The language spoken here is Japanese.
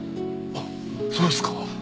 あっそうですか？